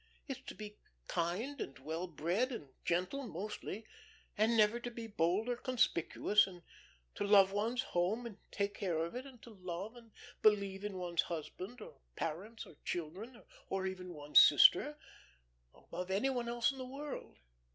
It's to be kind and well bred and gentle mostly, and never to be bold or conspicuous and to love one's home and to take care of it, and to love and believe in one's husband, or parents, or children or even one's sister above any one else in the world."